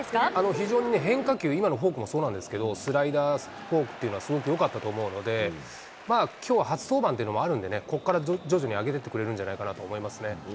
非常に変化球、今のフォークもそうなんですけど、スライダー、フォークっていうのはすごくよかったと思うので、きょうは初登板っていうのもあるんでね、ここから徐々に上げてってくれるんじゃないかと思いますね。